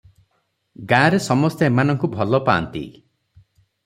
ଗାଁରେ ସମସ୍ତେ ଏମାନଙ୍କୁ ଭଲ ପାନ୍ତି ।